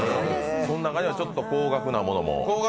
その中にはちょっと高額なものも？